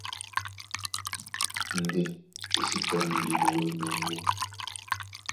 Ndé e sí tɔ́ndi eɓoló ndoŋgó.